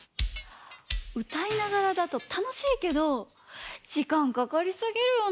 うたいながらだとたのしいけどじかんかかりすぎるよね。